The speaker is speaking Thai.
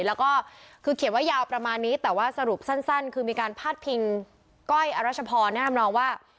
แล้วก็คือเขียนว่ายาวประมาณนี้แต่ว่าสรุปสั้นคือมีการพาดพิงก้อยอรัชพรแนะนำนองว่า